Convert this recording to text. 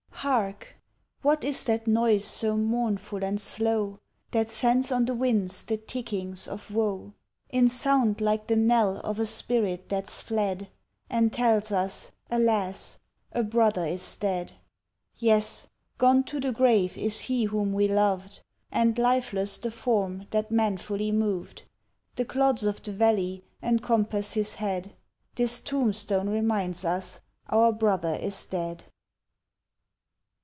Hark! what is that noise so mournful and slow, That sends on the winds the tickings of woe, In sound like the knell of a spirit that's fled, And tells us, alas! a brother is dead? Yes, gone to the grave is he whom we lov'd And lifeless the form that manfully mov'd, The clods of the valley encompass his head, This tombstone reminds us our brother is dead.